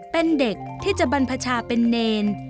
เป็นเด็กที่จะบรรพชาเป็นเนร